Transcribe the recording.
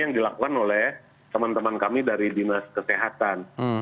yang dilakukan oleh teman teman kami dari dinas kesehatan